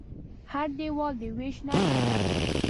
هر دیوال د وېش نښه ده.